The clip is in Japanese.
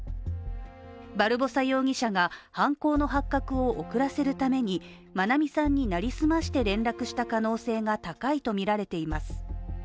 バルボサ容疑者が、犯行の発覚を遅らせるために愛美さんに成り済まして連絡した可能性が高いとみられています。